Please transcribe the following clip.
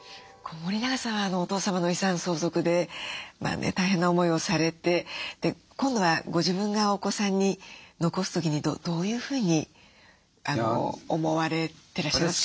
森永さんはお父様の遺産相続で大変な思いをされて今度はご自分がお子さんに残す時にどういうふうに思われてらっしゃいますか？